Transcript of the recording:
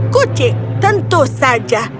kucing tentu saja